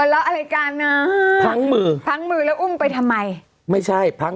แล้วอะไรกันนะพังมือพังมือแล้วอุ้มไปทำไมไม่ใช่พัง